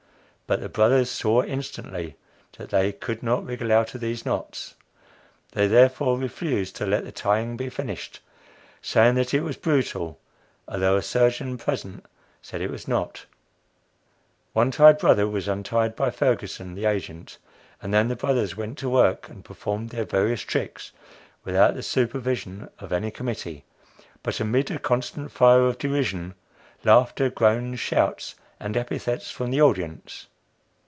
But the Brothers saw instantly that they could not wriggle out of these knots. They, therefore, refused to let the tying be finished, saying that it was "brutal" although a surgeon present said it was not; one tied brother was untied by Ferguson, the agent; and then the Brothers went to work and performed their various tricks without the supervision of any committee, but amid a constant fire of derision, laughter, groans, shouts, and epithets from the audience.